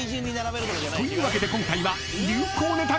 というわけで今回は］